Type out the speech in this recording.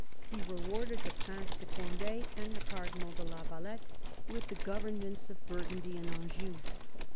He rewarded the Prince de Cond6 and the Cardinal de la Valette with the governments of Burgundy and Anjou.